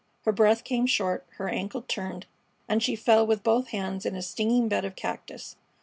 Her breath came short, her ankle turned, and she fell with both hands in a stinging bed of cactus.